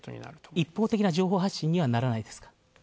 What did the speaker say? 一方的な情報発信にはならないですか？